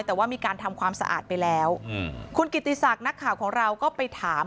แต่ว่ามีการทำความสะอาดไปแล้วอืมคุณกิติศักดิ์นักข่าวของเราก็ไปถาม